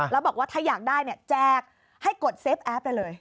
แล้วบอกว่าถ้าอยากได้เนี่ยแจกให้กดเซฟแอปได้เลย